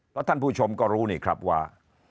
เพราะท่านผู้ชมก็รู้นะครับว่า